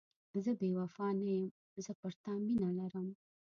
زه بې وفا نه یم، زه پر تا مینه لرم.